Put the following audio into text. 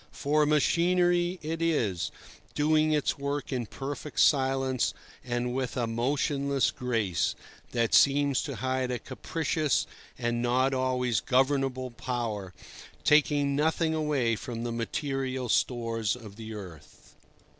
For machinery it is, doing its work in perfect silence and with a motionless grace, that seems to hide a capricious and not always governable power, taking nothing away from the material stores of the earth.